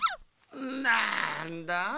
なんだあ。